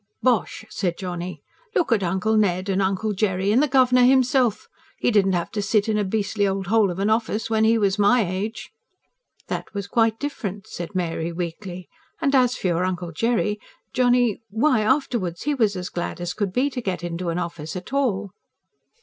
"Bosh!" said Johnny. "Look at Uncle Ned ... and Uncle Jerry ... and the governor himself. He didn't have to sit in a beastly old hole of an office when he was my age." "That was quite different," said Mary weakly. "And as for your Uncle Jerry, Johnny why, afterwards he was as glad as could be to get into an office at all."